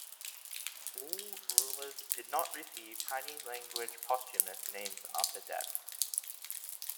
Wu rulers did not receive Chinese-language posthumous names after death.